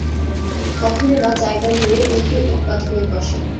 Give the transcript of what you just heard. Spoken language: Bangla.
কখনও বা জায়গা নিয়ে উল্টো উৎপাত হয়ে বসে।